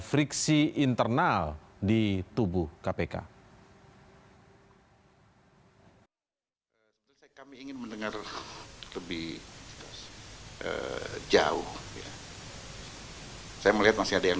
friksi internal di tubuh kpk kami ingin mendengar lebih jauh ya saya melihat masih ada yang